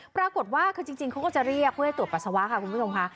ปรากฏว่าคือจริงเขาก็จะเรียกเพื่อให้ตรวจปัสสาวะค่ะคุณผู้ชมค่ะ